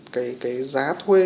cái giá thuê